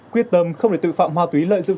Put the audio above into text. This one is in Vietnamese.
quyết tâm không để tự phạm ma tuế lợi dụng